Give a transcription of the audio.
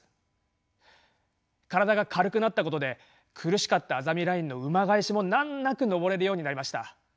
身体が軽くなったことで苦しかったあざみラインの馬返しも難なく上れるようになりました。